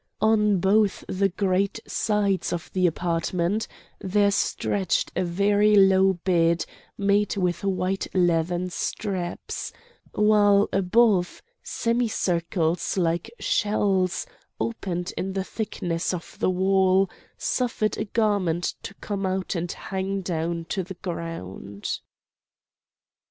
On both the great sides of the apartment there stretched a very low bed made with white leathern straps; while above, semi circles like shells, opened in the thickness of the wall, suffered a garment to come out and hang down to the ground.